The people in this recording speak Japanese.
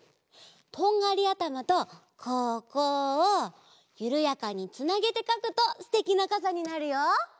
とんがりあたまとここをゆるやかにつなげてかくとすてきなかさになるよ。